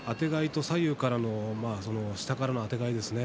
左右からの下からのあてがいですね